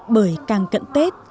bởi càng cận tết